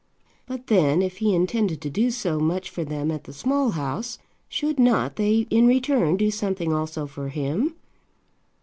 But then, if he intended to do so much for them at the Small House, should not they in return do something also for him?